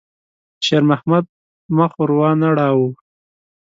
شېرمحمد مخ ور وانه ړاوه.